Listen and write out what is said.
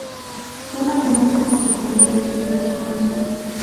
Sólo algunos pocos detalles de su vida son conocidos.